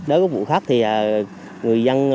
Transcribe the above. nếu có vụ khác thì người dân